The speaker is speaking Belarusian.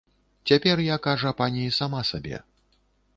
Цяпер я, кажа, пані сама сабе.